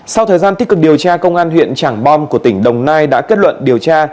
sau thời gian tích cực điều tra công an huyện trảng bom của tỉnh đồng nai đã kết luận điều tra